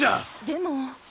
でも。